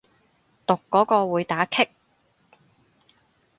讀嗰個會打棘